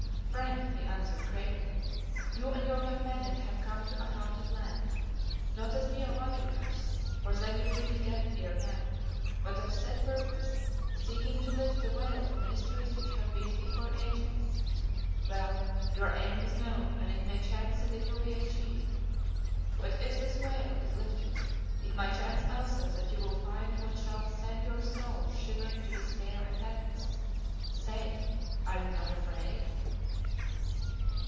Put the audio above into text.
"Friend," he answered, gravely, "you and your companion have come to a haunted land, not as mere wanderers, for then you would be dead ere now, but of set purpose, seeking to lift the veil from mysteries which have been hid for ages. Well, your aim is known and it may chance that it will be achieved. But if this veil is lifted, it may chance also that you will find what shall send your souls shivering to despair and madness. Say, are you not afraid?"